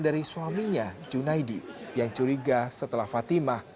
dari suaminya junaidi yang curiga setelah fatimah